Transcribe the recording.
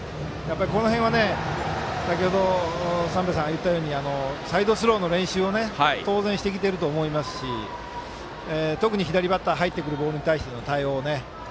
この辺は先程三瓶さんが言ったようにサイドスローの練習を当然してきていますし特に左バッター入ってくるボールに対しての対応